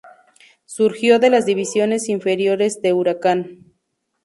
Surgió de las divisiones inferiores de Huracán.